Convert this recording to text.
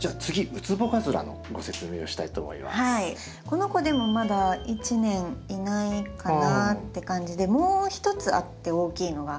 この子でもまだ１年いないかなって感じでもう１つあって大きいのが。